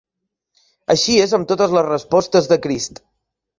Així és amb totes les respostes de Crist.